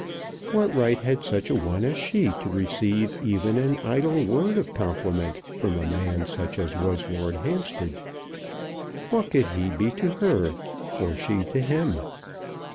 What right had such a one as she to receive even an idle word of compliment from a man such as was Lord Hampstead? What could he be to her, or she to him?